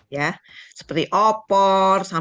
ya seperti opor sambal goreng rendang